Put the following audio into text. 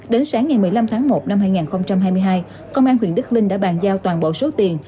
đến sáng ngày một mươi năm tháng một năm hai nghìn hai mươi hai công an huyện đức linh đã bàn giao toàn bộ số tiền